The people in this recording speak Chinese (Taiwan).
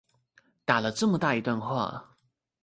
打了這麼大一段話